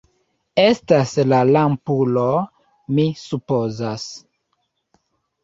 Estas la lampulo, mi supozas.